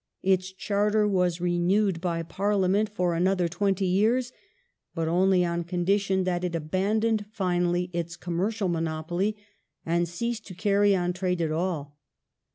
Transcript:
Its Charter was renewed by Parliament for another twenty years, but only on condition that it abandoned finally its commercial monopoly, and ceased to carry on trade at all.